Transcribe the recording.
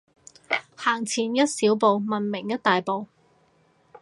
行前一小步，文明一大步